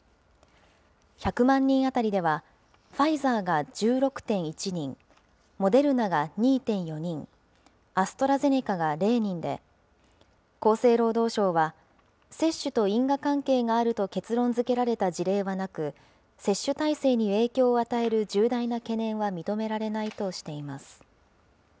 １００万人当たりでは、ファイザーが１６．１人、モデルナが２．４人、アストラゼネカが０人で、厚生労働省は接種と因果関係があると結論づけられた事例はなく、接種体制に影響を与える重大な懸念は認められないとしています。